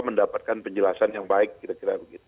mendapatkan penjelasan yang baik kira kira begitu